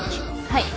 はい。